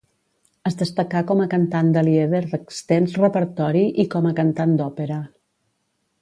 Es destacà com a cantant de lieder d'extens repertori i com a cantant d'òpera.